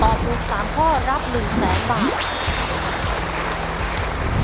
ถูก๓ข้อรับ๑แสนบาท